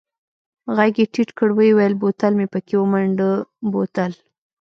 ږغ يې ټيټ کړ ويې ويل بوتل مې پکښې ومنډه بوتل.